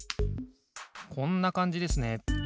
こんなかんじですね。